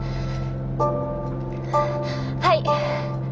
はい。